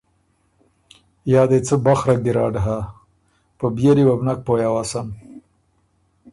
یا دې څه بخره ګیرډ هۀ۔ په بيېلي وه بو نک پویٛ اؤسم